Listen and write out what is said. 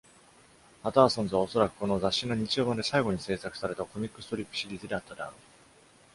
パターソンズはおそらく、この雑誌の日曜版で最後に制作されたコミックストリップシリーズであったであろう。